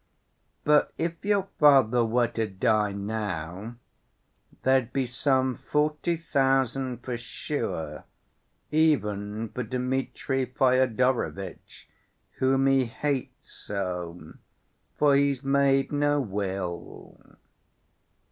But if your father were to die now, there'd be some forty thousand for sure, even for Dmitri Fyodorovitch whom he hates so, for he's made no will....